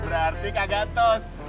berarti kagak atos